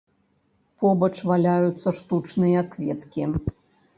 Побач валяюцца штучныя кветкі.